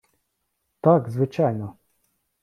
Так, звичайно.